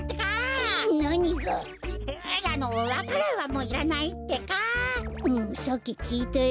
うんさっききいたよ。